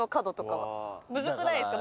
ムズくないですか？